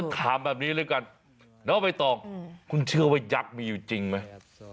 ถามแบบนี้แล้วกันน้องใบตองคุณเชื่อว่ายักษ์มีอยู่จริงไหม